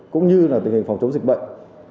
cũng như là tình hình phòng chống dịch bệnh